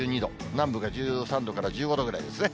南部が１３度から１５度ぐらいですね。